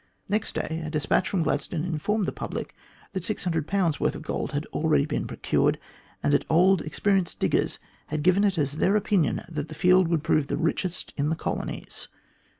Next day a despatch from Gladstone informed the public that 600 worth of gold had already been procured, and that old, experienced diggers had given it as their opinion that the field would prove the richest in the colonies.